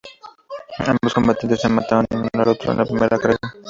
Ambos combatientes se mataron el uno al otro en la primera carga.